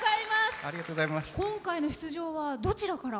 今回の出場は、どちらから？